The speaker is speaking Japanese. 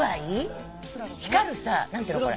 光るさ何ていうのこれ。